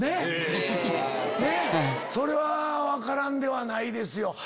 それは分からんではないですよ。